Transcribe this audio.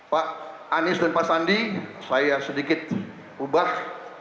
pak anies dan pak sandi saya sedikit ubah